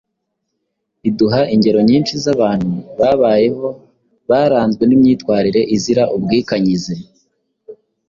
iduha ingero nyinshi z’abantu babayeho baranzwe n’imyitwarire izira ubwikanyize,